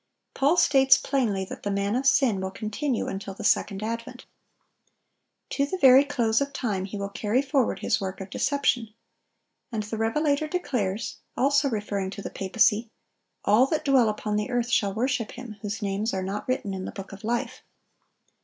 Paul states plainly that the man of sin will continue until the second advent.(1019) To the very close of time he will carry forward his work of deception. And the revelator declares, also referring to the papacy, "All that dwell upon the earth shall worship him, whose names are not written in the book of life."